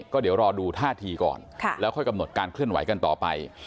ก็เดี๋ยวรอดูท่าทีก่อนแล้วค่อยกำหนดการเคลื่อนไหวกันต่อไป